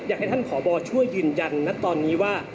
อยากให้ท่านผอบอช่วยยืนยันนะตอนนี้ว่า